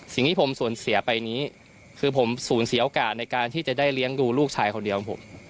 สิ่งที่ผมสูญเสียไปนี้คือผมสูญเสียโอกาสในการที่จะได้เลี้ยงดูลูกชายคนเดียวของผม